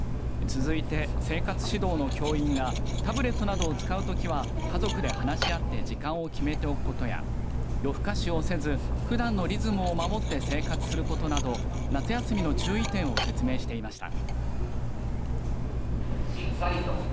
続いて、生活指導の教員がタブレットなどを使うときは家族で話し合って時間を決めておくことや夜更かしをせずふだんのリズムを守って生活することなど夏休みの注意点を説明していました。